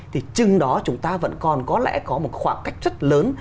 thì chừng đó chúng ta vẫn còn có lẽ có một khoảng cách rất lớn